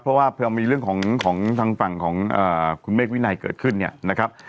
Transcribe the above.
เพราะว่าพอมีเรื่องของทางฝั่งของคุณเมฆวินัยเกิดขึ้นเนี่ยนะครับ